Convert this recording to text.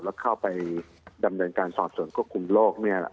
แล้วเข้าไปดำเนินการสอบส่วนควบคุมโรค